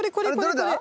どれだ？